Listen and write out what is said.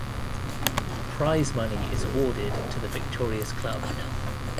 Prize money is awarded to the victorious club.